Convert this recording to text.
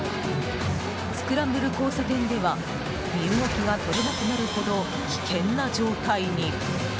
スクランブル交差点では身動きがとれなくなるほど危険な状態に。